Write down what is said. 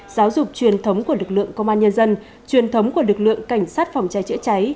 giáo dục truyền thống của lực lượng công an nhân dân truyền thống của lực lượng cảnh sát phòng cháy chữa cháy